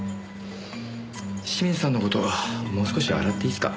清水さんの事をもう少し洗っていいっすか？